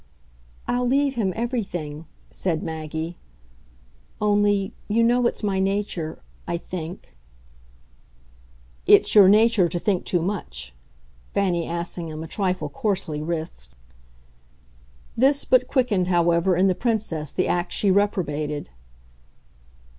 "I'll leave him everything," said Maggie. "Only you know it's my nature I THINK." "It's your nature to think too much," Fanny Assingham a trifle coarsely risked. This but quickened, however, in the Princess the act she reprobated.